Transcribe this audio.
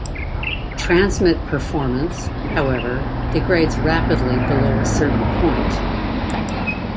Transmit performance, however, degrades rapidly below a certain point.